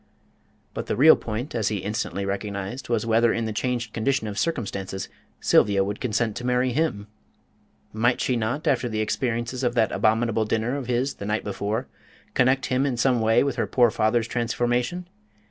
But the real point, as he instantly recognised, was whether in the changed condition of circumstances Sylvia would consent to marry him. Might she not, after the experiences of that abominable dinner of his the night before, connect him in some way with her poor father's transformation?